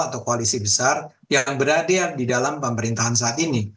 atau koalisi besar yang berada di dalam pemerintahan saat ini